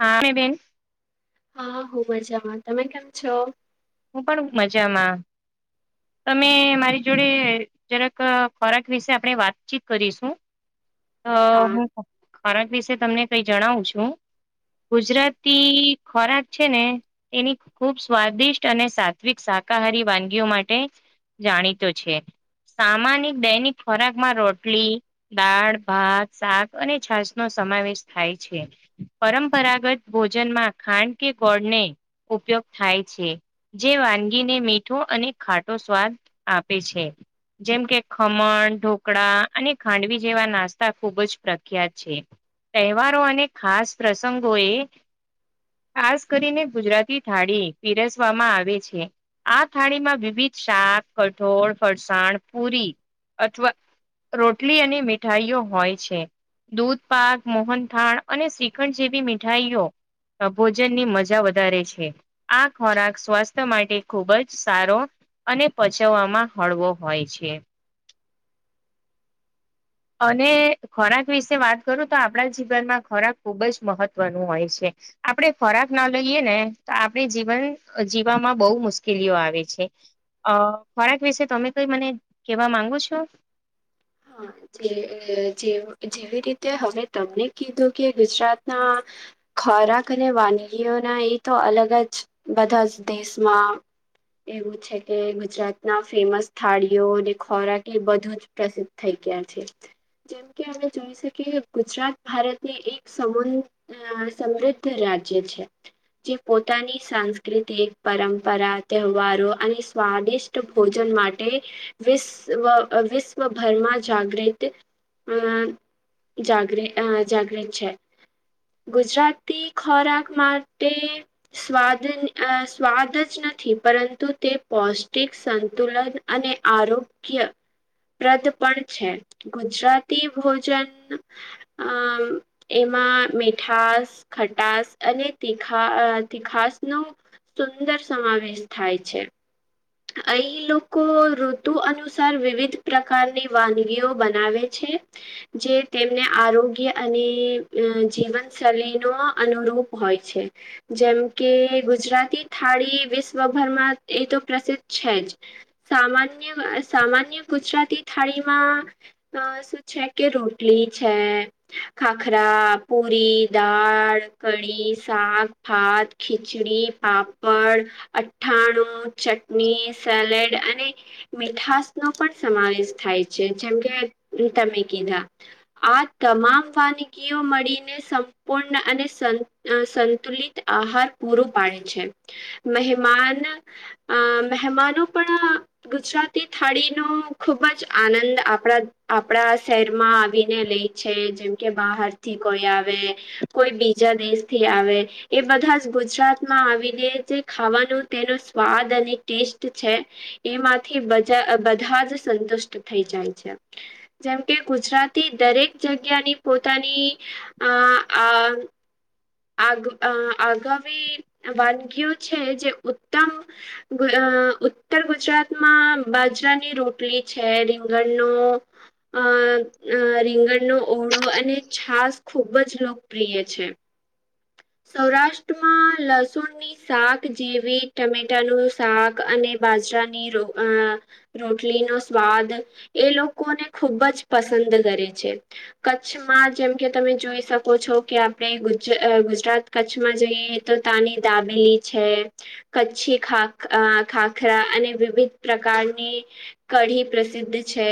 હા બેન હા હ મજામાં તમે કેમ છો? હું પણ મજામાં. તમે મારી જોડે જરાક ખોરાક વિશે આપણે વાતચીત કરીશું. હા હું ખોરાક વિશે તમને કઈ જણાવું છું. ગુજરાતી ખોરાક છે ને એની ખુબ સ્વાદિષ્ટ અને સાત્વિક સાકાહારી વાનગીઓ માટે જાણીતો છે. સામાનિક દૈનિક ખોરાકમાં રોટલી દાળ ભાત સાક અને છાશનો સ સમાવેશ થાય છે. પરંપરાગત ભોજનમાં ખાંડ કે ગોળને ઉપયોગ થાય છે. જે વાનગીને મીઠો અને ખાટો સ્વાદ આપે છે. જેમ કે ખમણ, ઢોકળા અને ખાંડવી જેવા નાસ્તા ખૂબ જ પ્રખ્યાત છે. તહેવારો અને ખાસ પ્રસંગોએ ખાસ કરીને ગુજરાતી થાળી પીરસવામાં આવે છે. આ થાળીમાં વિવિધ શાક, કઠોળ, ફરસાણ, પુરી અથવા રોટલી અને મીઠાઈઓ હોય છે. દૂધપાક મોહનથાણ અને સીખંડ જેવી મીઠાઈઓ ભોજનની મજા વધારે છે, આ ખોરાક સ્વાસ્થ્ય માટે ખુબ જ સારો અને પચવવામાં હળવો હોય છે. અને ખોરાક વિસે વાત કરું તો આપણા જીવનમાં ખોરાક ખુબ જ મહત્વનું હોય છે. આપડે ખોરાક ના લઈએ ને તો, આપણે જીવન જીવામાં બહુ મુસ્કેલીઓ આવે છે. અ ખોરાક વિસે તમે કઈ મને કેવા માંગો છો? હા જે જે જેવી રીતે હવે તમને કીધું કે ગુજરાતના ખોરાક અને વાનગીઓના એ તો અલગ જ બધા જ દેશમાં એવું છે કે ગુજરાતના ફેમસ થાળીઓ અને ખોરાક બધું જ પ્રસિદ્ધ થઈ ગયા છે. જેમ કે આપમે જોઈ શકીએ ગુજરાત ભારતની એક સમન સમૃદ્ધ રાજ જ્ય છે. જે પોતાની સાંસ્કૃતિક પરંપરા તહેવારો અને સ્વાદિષ્ટ ભોજન માટે વિસવ અ વિસ્વ ભરમાં જાગ્રીત, અ, જાગ્રી, જાગ્રીત છે. ગુજરાતી ખોરાક માટે સ્વાદ ન સ્વાદ જ નથી પરંતુ તે પૌષ્ટિક, સંતુલન અને આરોગ્ય [inaudible] પ્રદ પણ છે. ગુજરાતી ભોજન, અ, એમાં મીઠાસ ખટાસ અને તીખા, તીખાસનું સુંદર સમાવેશ થાય છે. અહીં લોકો ઋતુ અનુસાર વિવિધ પ્રકારની વાનગીઓ બનાવે છે. જે, જે તેમને આરોગ્ય અને જીવનસલીનો અનુરૂપ હોય છે. જેમ કે ગુજરાતી થાળી વિસ્વભરમાં એ તો પ્રસિદ્ધ છે જ. સામાન્ય, અ, સામાન્ય ગુજરાતી થાળીમાં અ સુ છે કે રોટલી છે, ખાખરા, પુરી, દાળ કડી, સાક, ભાત, ખીચડી, પાપડ, અથાણું ચટની, સેલેડ અને મીઠાસનો પણ સમાવેસ થાય છે જેમકે તમે કીધા આ તમામ વાનગીઓ મળીને સંપૂર્ણ અને સ સ સંતુલિત આહાર પૂરો પાડે છે. મહેમાન અ મહેમાનો પણ ગુજરાતી થાળીનો ખૂબ જ આનંદ આપણા આપણા શહેરમાં આવીને લઈ છે, જેમ કે બહારથી કોઈ આવે, કોઈ બીજા દેસથી આવે એ બધાજ ગુજરાતમાં આવીને જે ખાવાનું, તેનો સ્વાદ અને ટેસ્ટ છે એમાંથી બજા બધા જ સંતુષ્ટ થઈ જાય છે. જેમ કે ગુજરાતી દરેક જગ્યાની પોતાની આ આ ગુ અ આગામી વાનગીઓ છે જે ઉત્તમ ગરા અ ઉત્તર ગુજરાતમાં બાજરાની રોટલી છે, રીંગણનો, અ અ અ રીંગણનો ઓળો અને છાસ ખૂબ જ લોકપ્રિય છે. [inaudible] સૌરાષ્ટ્રમાં લસુણની સાક જેવી ટમેટાનુ શાક અને બાજ રાની રો અ રોટલી નો સ્વાદ એ લોકોને ખુબ જ પસંદ કરે છે કચ્છમાં જેમ કે તમે જોઈ શકો છો કે આપડે ગુજ ગુજરાત કચ્છમાં જઈએ તો તાની દાબેલી છે કચ્છી ખાક ખાખરા અને વિવિધ પ્રકારની કઢી પ્રસિદ્ધ છે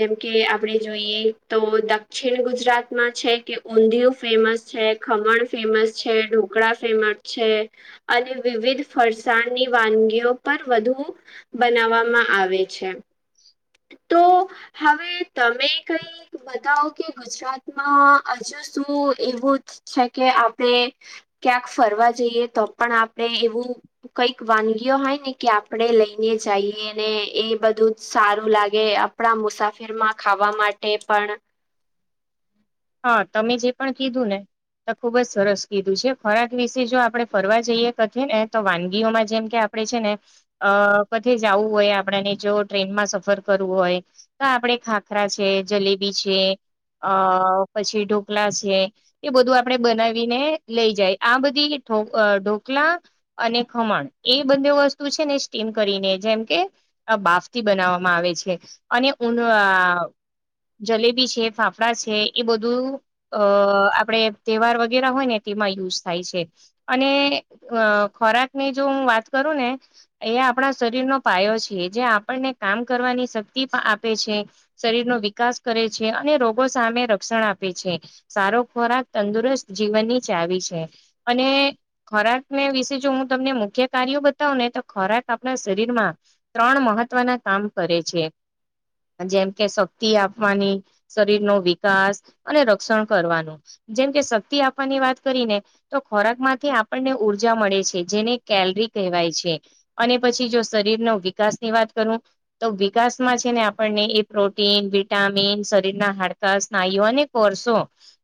જેમ કે આપણે જોઈએ તો દક્ષિણ ગુજરાતમાં છે કે ઊંધિય ફેમસ છે ખમણ ફેમસ છે ઢોકળા ફેમસ છે અને વિવિધ ફરસાણની વાન ગીઓ પણ વધુ બનાવામા આવે છે તો હવે તમે કઈ બતાવો કે ગુજરાતમા હજુ શુ એવુ છે કે આપડે ક્યાંક ફરવા જઈએ તો પણ આપડે એવું કઈક વાનગી ઓ હોય ને કે આપડે લઈને જઈએ ને એ બધું જ સારું લાગે આપડા મુસાફીર રમા ખાવા માટે પણ હા તમે જે પણ કીધુ ને તો ખુબ જ સરસ કીધું છે ખોરાક વિશે જો આપડે ફરવા જઈએ કથી ને તો વાનગીઓમાં જેમ કે આ આપડે છે ને અ કથે જાવુ હોય આપડાને જો ટ્રેનમાં સફર કરવું હોય તો આપડે ખાખરા છે જલેબી છે અ પછી ઢોકલા છે એ બધું આપડે બનાવીને લઈ જાય આ બધી ઢોક ઢોક લા અને ખમણ એ બને વસ્તુ છે ને સ્ટીમ કરીને જેમ કે બાસ્ટી બને બનાવામાં આવે છે અને ઊં જલેબી છે ફાફડા છે એ બધું અ આપડે તેહવાર વગેરે હોય ને તેમાં યુઝ થાય છે અને મા ખોરાક ની જો હું વાત કરું ને એ આપણા શરીર નો પાયો છે જે આપણ ને કામ કરવાની શક્તિ પણ આપે છે શરીર નો વિકાસ કરે છે અને રોગો સામે ર ક્ષણ આપે છે સારો ખોરાક તંદુરસ્ત જીવનની ચાવી છે અને ખો રાકને વિશે જો હું તમને મુખ્ય કાર્યો બતાવુ ને તો ખોરાક આપણા શરીરમાં ત્રણ મહત્વ ના કામ કરે છે જેમ કે શક્તિ આપવાની શરીર નો વી કાસ અને રક્ષણ કરવાનુ જેમ કે શક્તિ આપવાની વાત કરીને તો ખોરાક માંથી આ પણને ને ઉર્જા મળે છે જેને કેલરી કહેવાય છે અને પછી જો શરીર નો વિકાસ વા ત કરુ તો વિકાસમાં છે ને આપણને એ પ્રોટીન વિટામિન શરીરના હાડ કાસ ના યુવાન કોર્સો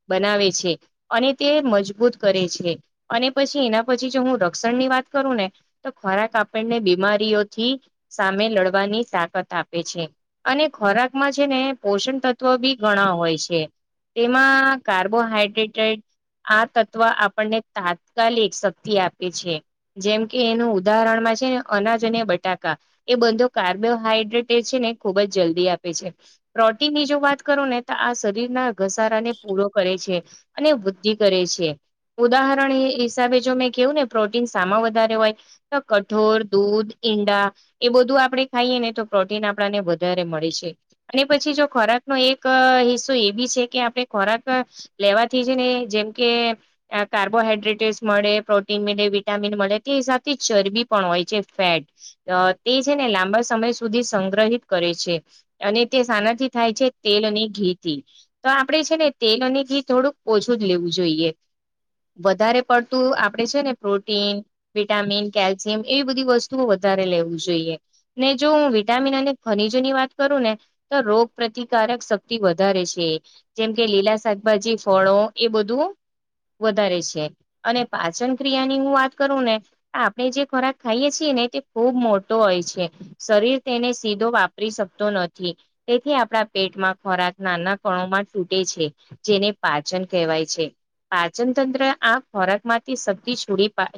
બનાવે છે અને તે મજબૂત કરે છે અને પછી એના પછી જો હું રક્ષણ ની વાત કરું ને તો ખોરાક આપણને બીમારીઓથી સામે લડવાની તાકાત આપે છે અને ખોરાક માં છે ને પોષણ તત્વ બી ઘણા હોય છે તેમાં કાર્બોહાઈડ્રેટેડ આ તત્વ આપણને તાત્કાલિક શક્તિ આપે છે જેમકે એનું ઉદાહરણ છે ને અનાજ અને બટાકા એ બંધો કાર્બોહાઈડ્રેટે છે ને ખુબ જ જલ્દી આપે છે પ્રોટીન ની જો વાત કરુ ને તો આ શરીર ના ઘસારા ને પૂરો કરે છે અને વૃદ્ધિ કરે છે ઉદાહ હરણ હિસાબે જો મેં કેવું ને પ્રોટીન સામાં વધારે હોય તો કઠોર, દૂધ, ઈંડા એ બધું આપણે ખાઈએ ને તો પ્રોટીન આપને વધારે મળે છે અને પછી જો ખોરા એક હિસ્સો એ બી છે કે આપડે ખોરાક લેવાથી જ ને જેમ કે અ કાર્બોહાઈડ્રેટેસ મળે પ્રોટીન મળે વિટામીન મળે તે હિસાબથી ચરબી પણ હોય છે ફેટ અ તે છે ને લાંબા સમય સુધી સંગ્રહિત કરે છે અને તે સાનાથી થાય છે તેલ અને ઘી થી તો આપડે છે ને તેલ અને ઘી થોડુક ઓછું જ લેવું જોઈએ વધારે પડતું આપડે છે ને પ્રોટીન વિટામિન કેલ્શિયમ એવી બધી વસ્તુઓ વ ધારે લેવુ જોઈએ ને જો હું વિટામિન અને ખનીજઓ ની વાત કરું ને તો રોગ પ્ર તિકારક શક્તિ વધારે છે જેમ કે લીલા શાકભાજી ફળો એ બધુ વધારે છે અને પાચન ક્રિયા ની હું વાત કરું ને આપણે જે ખોરાક ખાઈએ છીએ ને એ ખૂબ મોટો હોય છે શરીર તેને સીધો વાપરી શકતો નથી તેથી આપડા પેટમાં ખોરાક નાના કણોમાં તૂટે છે જેને પાચન કહેવાય છે પાચન તંત્ર આ ખોરાક માંથી શક્તી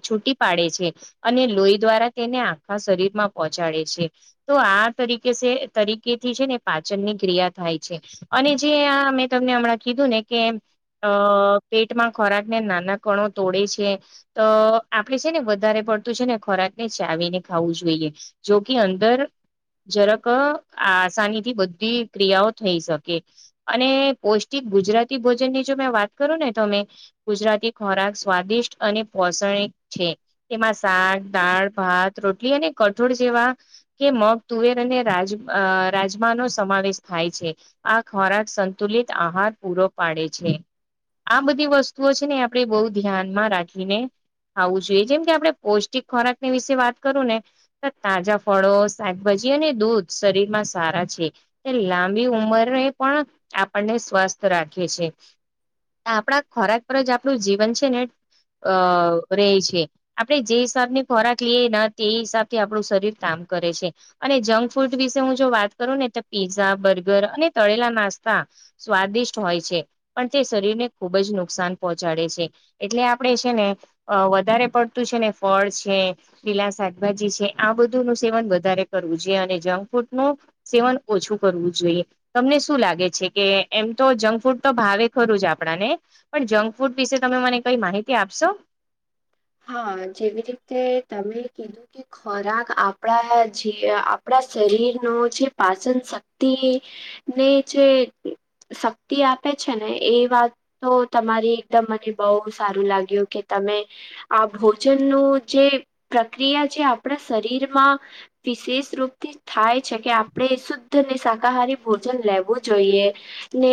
છૂટી પાડે છે અને લોહી દ્વારા તેને આખા શરીરમાં પહોંચાડે છે તો આ તરીકે તરીકેથી છે ને પાચન ની ક્રિયા થાય છે અને જે આ મેં તમને હમણાં કીધું ને કે અ પેટમાં ખોરાક ને નાના કણો તોડે છે તો આપડે છે ને વધારે પડતું છે ને ખોરાક ને ચાવીને ખાવું જોઈએ જો કે અંદર જરાક આસાની થી બધી ક્રિયાઓ થઈ શકે અને પૌષ્ટિક ગુજરાતી ભોજનની જો મેં વાત કરું ને તમે ગુજરાતી ખોરાક સ્વાદિષ્ટ અને પોષણિક છે તેમાં શાક દાળ ભાત રોટલી અને કઠોળ જેવા કે મગ તુવેર અને રાજ રાજમા નો સમાવેશ થાય છે આ ખોરાક સંતુલિત આહાર પૂરો પાડે છે. આ બધી વસ્તુઓ છે ને આપણે બહુ ધ્યાનમાં રાખીને ખાવું જોઈએ જેમ કે આપણે પૌષ્ટિક ખોરાકની વિશે વાત કરું ને તો તાજા ફળો શાકભાજી જી અને દૂધ શરીરમાં સારા છે. લાંબી ઉમરને પણ આપણને સ્વસ્થ રાખે છે. આપણા ખોરાક પર જ આપણું જીવન છે ને અ રહેે છે આપણે જે હિસાબને ખોરાક લઈએ તે હિસાબ થી આપણું શરીર કરે છે અને જંક ફૂડ વિશે હું જો વાત કરું ને પીઝા બર્ગર અને તળેલા નાસ્તા સ્વાદિષ્ટ હોય છે પણ તે શરીરને ખૂબ જ નુકસાન પહોંચાડે છે એટલે આપણે છે ને વધારે પડતું છેને ફળ છે લીલા શાકભાજી છે આ બધું નું સેવન વધારે કરવું જોઈએ અને જંક ફૂડ નું સેવન ઓછું કરવું જોઈએ તમને શું લાગે છે કે એમ તો જંક ફૂડ તો ભાવે ખરું જ આપણાને પણ જંક ફૂડ વિશે તમે મને કઈ માહિતી આપશો. હા જેવી રીતે તમે કીધું કે ખોરાક આપણા જે આપણા શરીર ન જે પાચન શક્તિ ને જે શક્તિ આપે છે ને એ વાત તો તમારી એકદમ મને બહુ સારું લાગ્યું કે તમે આ ભોજનનું જે પ્રક્રિયા જે આપણા શરીરમાં વિશેષ રૂપથી થાય છે કે આપણે શુદ્ધ ને શાકાહારી ભોજન લેવું જોઈએ ને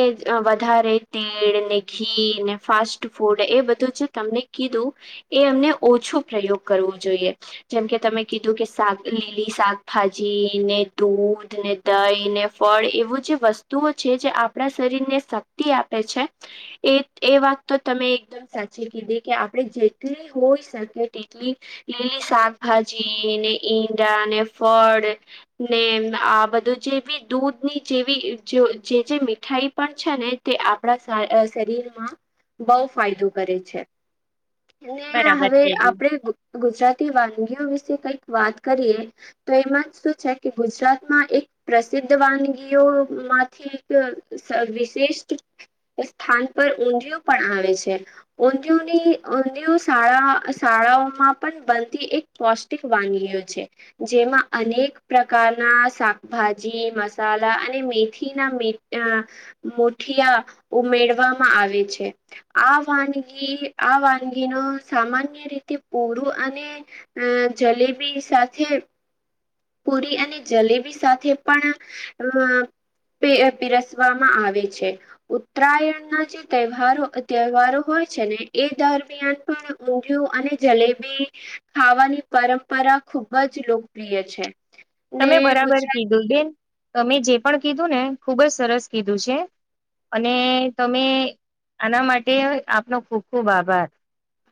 વધારે તીડ ને ઘી ને ફાસ્ટ ફૂડ એ બધું જે તમને કીધું એ અમને ઓછું પ્રયોગ કરવો જોઈએ જેમકે તમે કીધું કે શાક લીલી શાકભાજી ને દૂધ ને દહી ને ફળ એવું જે વસ્તુઓ છે જે આપણા શરીર ને શક્તિ આપે છે એ એ વાત તો તમે એકદમ સાચી કીધી કે આપણે જે એટલી હોય શકે તેટલી લીલી શાકભાજી ને ઈંડા ને ફળ ને આ બધું જેવી દૂધની જેવી જે જે મીઠાઈ છે ને તે આપણા શરીરમાં બહુ ફાયદો કરે છે. ને બરાબર હવે કીધું આપડે ગુજરાતી વાનગીઓ વિ કઈક વાત કરીએ તો એમાં જ શું છે કે ગુજરાતમાં એક પ્રસિદ્ધ વાનગીઓ માંથી એક વિશિષ્ટ સ્થાન પર ઊંધિયું પણ આવે છે ઊંધિયુની શાળા શાળાઓમાં પણ બનતી એક પૌષ્ટિક વાનગીઓ છે જે એમાં અનેક પ્રકારના શાકભાજી મસાલા અને મેથીના મે મુઠિયા ઉમેરવામાં આવે છે આ વાનગી આ વાન ગીનો સામાન્ય રીતે પૂરું અને અ જલેબી સાથે પુરી અને જલેબી સાથે પણ અ પીરસવામાં આવે છે ઉત્તરાયણના જે તહેવારો તહેવારો હોય છેને એ દરમિયાન પણ ઊંધિયું અને જલેબી ખાવાની પરંપરા ખુબ જ લોકપ્રિય છે. ને તમે બરાબર ગુજરાત કીધું બેન તમે જે પણ કીધું ને ખુબ જ સરસ કીધું છે. અને તમે આના માટે આપનો ખુબ ખુબ આભાર.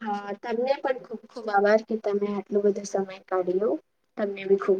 હા તમને પણ ખુબ ખુબ આભાર કે તમે આટલો બધો સમય કાઢીયો. તમને ભી ખૂબ